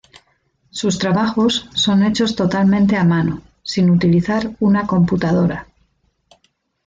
Sus trabajos son hechos totalmente a mano, sin utilizar una computadora.